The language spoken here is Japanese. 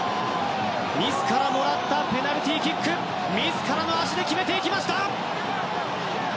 自らもらったペナルティーキック自らの足で決めていきました！